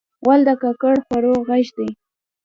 غول د ککړ خوړو غږ دی.